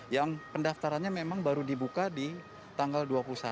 yang pendaftarannya memang baru dibuka di tanggal dua puluh satu